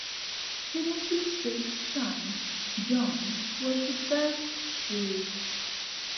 Timothy Street's son, John, was the first reeve.